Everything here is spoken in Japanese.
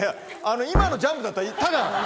今のジャンプだったらただ。